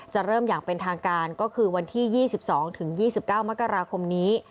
เริ่มอย่างเป็นทางการก็คือวันที่๒๒๒๙มกราคมนี้